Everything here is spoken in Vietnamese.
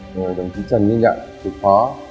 rồi đồng chí trần ninh đoạn thủ phó